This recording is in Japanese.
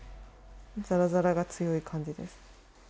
ざらざらが強い感じです。